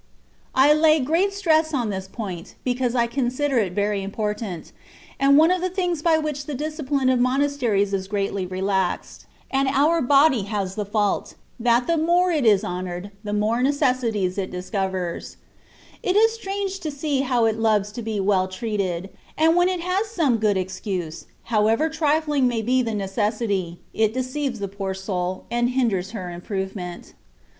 I lay great stress on this point, because I con sider it very important, and one of the things by which the discipline of monasteries is greatly * In the way of eating more than the rule allows. 54 THE WAY OF PERFECTION". relaxed : and our body has the fault, — that the more it is honoured, the more necessities it dis covers. It is strange to see how it loves to be well treated ; and when it has some good excuse, however trifling may be the necessity, it deceives the poor soul, and hinders her improvement.